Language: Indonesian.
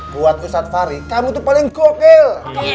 buat ustadz fahri kamu tuh paling gokil